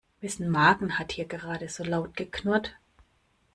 Wessen Magen hat hier gerade so laut geknurrt?